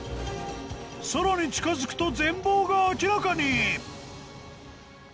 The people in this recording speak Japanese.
さらに近づくと全貌が明らかに！